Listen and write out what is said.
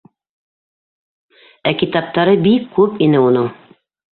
Ә китаптары бик күп ине уның.